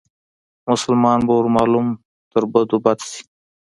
مسلمان به ور معلوم تر بدو بد شي